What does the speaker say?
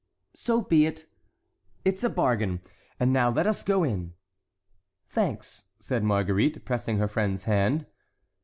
"So be it." "It's a bargain; and now let us go in." "Thanks," said Marguerite, pressing her friend's hand.